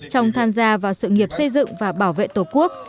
trong tham gia vào sự nghiệp xây dựng và bảo vệ tổ quốc